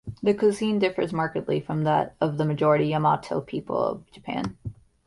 The cuisine differs markedly from that of the majority Yamato people of Japan.